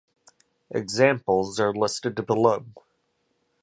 Examples are listed below.